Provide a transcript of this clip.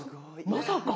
まさか。